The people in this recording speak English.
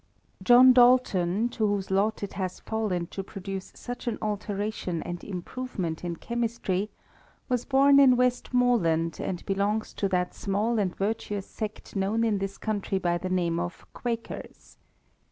John Dalton, to whose lot it has fallen to produce such an alteration and improvement in chemistry, was bom in Westmorland, and belongs to that small and virtuous sect known in this country by the name of Quakers.